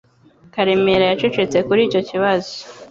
Karemera yacecetse kuri icyo kibazo